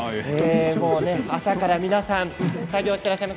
朝から皆さん作業していらっしゃいます。